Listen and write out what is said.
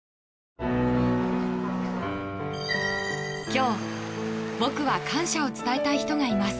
今日、僕は感謝を伝えたい人がいます。